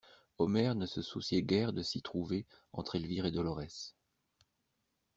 Omer ne se souciait guère de s'y trouver entre Elvire et Dolorès.